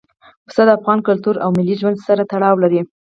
پسه د افغان کلتور او ملي ژوند سره تړاو لري.